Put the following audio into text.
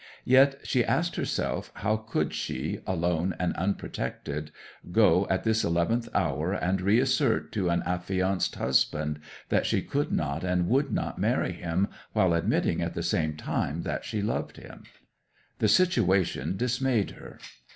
Yet, she asked herself, how could she, alone and unprotected, go at this eleventh hour and reassert to an affianced husband that she could not and would not marry him while admitting at the same time that she loved him? The situation dismayed her.